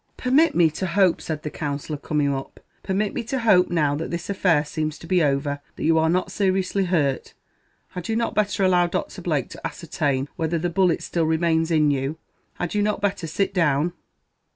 "Permit me to hope," said the Counsellor, coming up "permit me to hope, now that this affair seems to be over, that you are not seriously hurt. Had you not better allow Doctor Blake to ascertain whether the bullet still remains in you? had you not better sit down?"